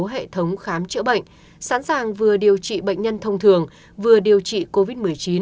hệ thống khám chữa bệnh sẵn sàng vừa điều trị bệnh nhân thông thường vừa điều trị covid một mươi chín